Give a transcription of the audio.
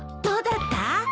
どうだった？